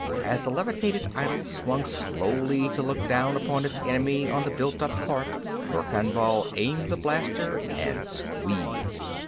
As the levitated idol swung slowly to look down upon its enemy on the built up cart, Verkan Vall aimed the blaster and squeezed.